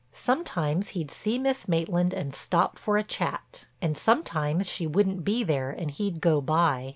Sometimes he'd see Miss Maitland and stop for a chat, and sometimes she wouldn't be there and he'd go by.